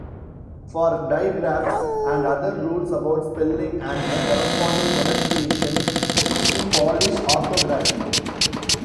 For digraphs and other rules about spelling and the corresponding pronunciations, see Polish orthography.